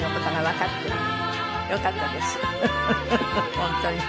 本当に。